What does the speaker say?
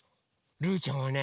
ルーちゃんはね